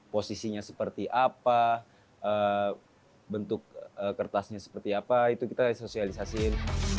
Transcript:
posisinya seperti apa bentuk kertasnya seperti apa itu kita sosialisasiin